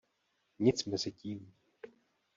Nic mezi tím.